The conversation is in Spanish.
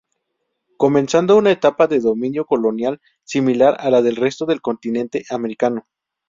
Comenzando una etapa de dominio colonial similar a la del resto del continente americano.